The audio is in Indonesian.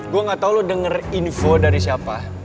gue gak tau lo denger info dari siapa